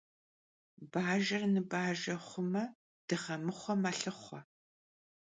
Bajjer nıbajje xhume, dığemıxhue melhıxhue.